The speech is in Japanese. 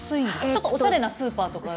ちょっとおしゃれなスーパーとか。